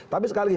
tapi sekali lagi